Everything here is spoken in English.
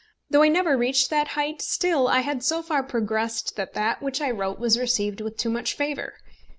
Though I never reached that height, still I had so far progressed that that which I wrote was received with too much favour.